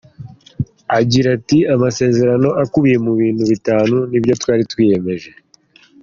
Agira ati “Amasezerano akubiye mu bintu bitanu nibyo twari twiyemeje.